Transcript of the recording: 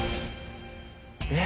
えっ？